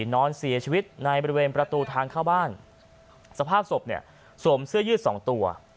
นอนเสียชีวิตในบริเวณประตูทางเข้าบ้านสภาพศพเนี่ยสวมเสื้อยืดสองตัว